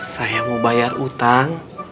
saya mau bayar utang